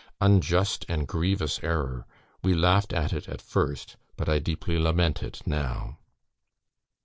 '"... "Unjust and grievous error! We laughed at it at first, but I deeply lament it now."